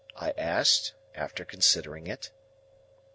I asked, after considering it.